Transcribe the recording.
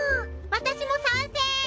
私も賛成！